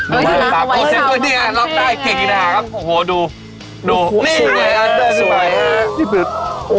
รับได้รับได้เก่งอย่างนี้นะครับโอ้โหดูดูนี่เลยฮะสวยฮะ